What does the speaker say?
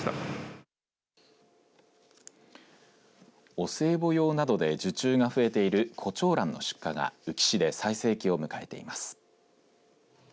お歳暮用などで受注が増えているコチョウランの出荷が宇城市で最盛期を迎えています。